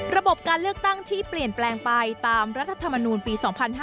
ระบบการเลือกตั้งที่เปลี่ยนแปลงไปตามรัฐธรรมนูลปี๒๕๕๙